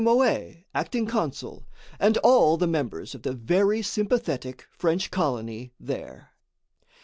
Moët, acting consul, and all the members of the very sympathetic French colony there.